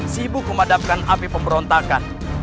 sibuk memadamkan api pemberontakan